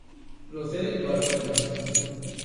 Procede do Alcobendas.